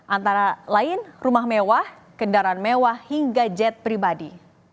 antara lain rumah mewah kendaraan mewah hingga jet pribadi